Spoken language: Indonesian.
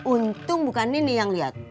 untung bukan nini yang liat